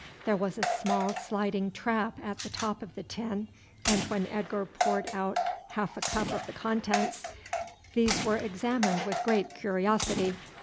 There was a small sliding trap at the top of the tin, and when Edgar poured out half a cup of the contents, these were examined with great curiosity.